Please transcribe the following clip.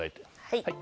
はい。